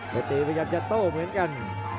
ตีพยายามจะโต้เหมือนกัน